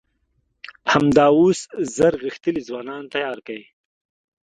همدا اوس زر غښتلي ځوانان تيار کئ!